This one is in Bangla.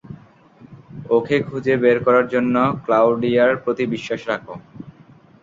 ওকে খুঁজে বের করার জন্য ক্লাউডিয়ার প্রতি বিশ্বাস রাখো।